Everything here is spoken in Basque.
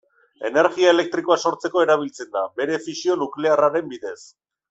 Energia elektrikoa sortzeko erabiltzen da, bere fisio nuklearraren bidez.